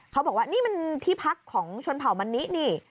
เขาบอกว่านี่มันที่พักของชนเผ่ามะนินี่